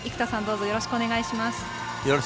よろしくお願いします。